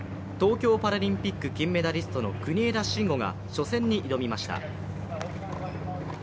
東京パラリンピック金メダリストの国枝慎吾が初戦に挑みました。